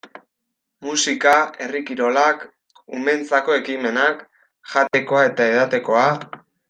Musika, herri kirolak, umeentzako ekimenak, jatekoa eta edatekoa...